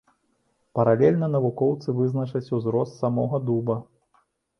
Паралельна навукоўцы вызначаць узрост самога дуба.